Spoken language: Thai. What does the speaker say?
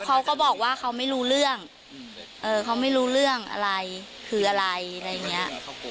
เขาก็บอกว่าเขาไม่รู้เรื่องเขาไม่รู้เรื่องอะไรคืออะไรอะไรอย่างนี้